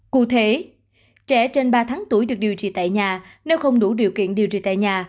cụ thể trẻ trên ba tháng tuổi được điều trị tại nhà nếu không đủ điều kiện điều trị tại nhà